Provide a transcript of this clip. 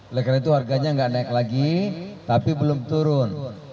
oleh karena itu harganya nggak naik lagi tapi belum turun